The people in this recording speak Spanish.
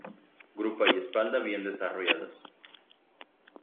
Grupa y espalda bien desarrolladas.